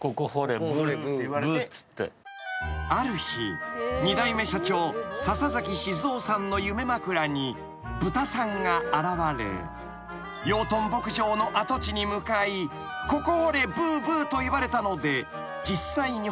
［ある日二代目社長笹静雄さんの夢枕に豚さんが現れ養豚牧場の跡地に向かい「ここ掘れブー！ブー！」と言われたので実際に］